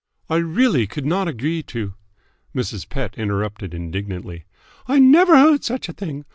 "I really could not agree to " Mrs. Pett interrupted indignantly. "I never heard of such a thing!